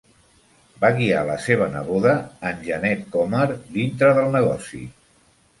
Va guiar la seva neboda, Anjanette Comer, dintre del negoci.